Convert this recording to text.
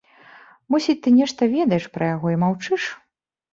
Мусіць, ты нешта ведаеш пра яго і маўчыш?